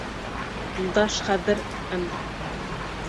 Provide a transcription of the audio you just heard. Юлдаш хәҙер М.